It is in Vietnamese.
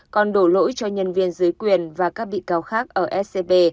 còn đổ lỗi cho nhân viên dưới quyền và các bị cáo khác ở scb